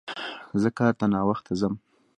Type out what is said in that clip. زه کار ته ناوخته ځم